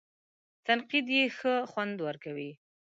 تنقید یې ښه خوند ورکوي.